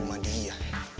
gue sama dia